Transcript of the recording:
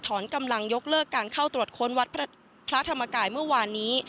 กำลังยกเลิกการเข้าตรวจค้นวัดพระธรรมกายเมื่อวานนี้